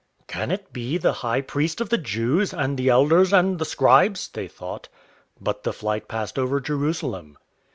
"Can it be the High Priest of the Jews, and the elders and the scribes?" they thought. But the flight passed over Jerusalem.